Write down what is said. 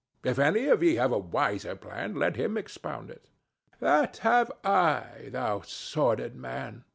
If any of ye have a wiser plan, let him expound it." "That have I, thou sordid man!"